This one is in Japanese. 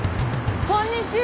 こんにちは。